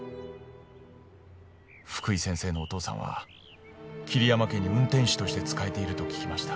福井先生のお父さんは桐山家に運転手として仕えていると聞きました。